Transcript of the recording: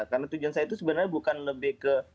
karena tujuan saya itu sebenernya bukan lebih ke